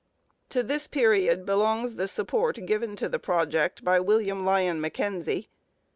To this period belongs the support given to the project by William Lyon Mackenzie.